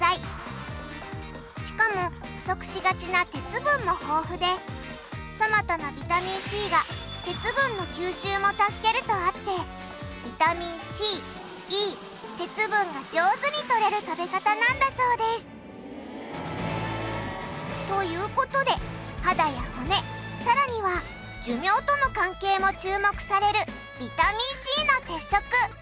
しかも不足しがちな鉄分も豊富でトマトのビタミンＣが鉄分の吸収も助けるとあってビタミンＣＥ鉄分が上手にとれる食べ方なんだそうです。という事で肌や骨さらには寿命との関係も注目されるビタミンＣの鉄則。